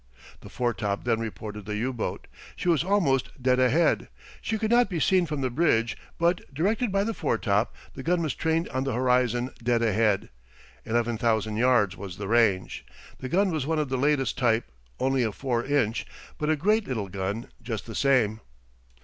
The foretop then reported the U boat. She was almost dead ahead. She could not be seen from the bridge, but, directed by the foretop, the gun was trained on the horizon dead ahead; 11,000 yards was the range. The gun was one of the latest type only a 4 inch but a great little gun just the same.